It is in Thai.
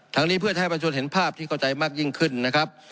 นี้เพื่อจะให้ประชนเห็นภาพที่เข้าใจมากยิ่งขึ้นนะครับ